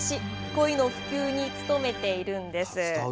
コイの普及に努めているんです。